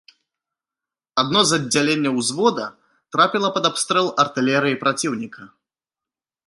Адно з аддзяленняў ўзвода трапіла пад абстрэл артылерыі праціўніка.